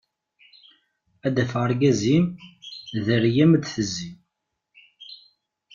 Ad d-afeɣ argaz-im, dderya-m ad d-tezzi...